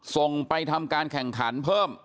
ส่งไปทำการแข่งขันเพิ่ม